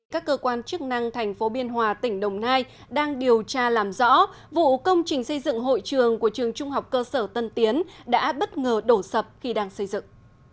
các cơ quan chức năng thành phố biên hòa tỉnh đồng nai đang điều tra làm rõ vụ công trình xây dựng hội trường của trường trung học cơ sở tân tiến đã bất ngờ đổ sập khi đang xây dựng